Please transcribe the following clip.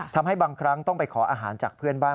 ทำให้บางครั้งต้องไปขออาหารจากเพื่อนบ้าน